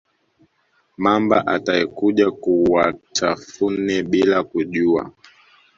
mamba atayekuja kuwatafune bila kujua